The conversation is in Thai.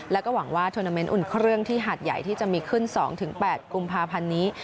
แล้วก็หวังว่าทวนาเมนต์อุ่นเครื่องที่หาดใหญ่ที่จะมีขึ้น๒๘กุมภาพันธ์นี้